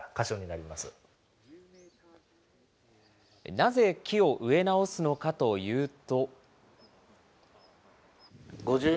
なぜ、木を植え直すのかというと。